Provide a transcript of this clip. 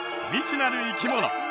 未知なる生き物！